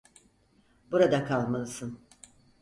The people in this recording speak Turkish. Burada kalmalısın.